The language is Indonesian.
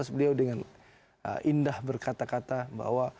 beliau dengan indah berkata kata bahwa